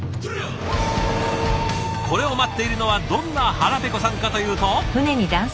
これを待っているのはどんな腹ペコさんかというと。